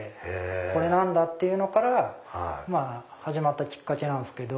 これ何だ？っていうのから始まったきっかけなんですけど。